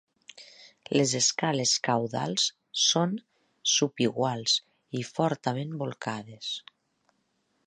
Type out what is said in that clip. Les escales caudals són sub-iguals i fortament volcades.